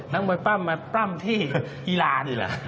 นักมวยปล้ำมาปล้ำที่อีราน